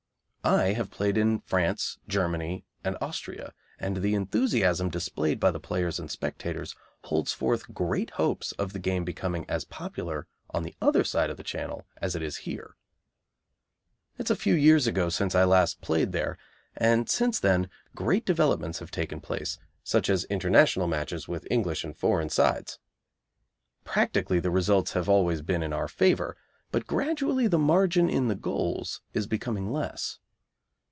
I have played in France, Germany, and Austria, and the enthusiasm displayed by the players and spectators holds forth great hopes of the game becoming as popular on the other side of the Channel as it is here. It is a few years ago since I last played there, and since then great developments have taken place, such as International matches with English and foreign sides. Practically the results have always been in our favour, but gradually the margin in the goals is becoming less.